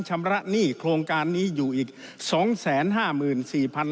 ชำระหนี้โครงการนี้อยู่อีกสองแสนห้าหมื่นสี่พัน